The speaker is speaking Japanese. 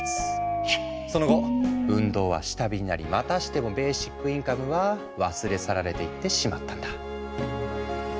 その後運動は下火になりまたしてもベーシックインカムは忘れ去られていってしまったんだ。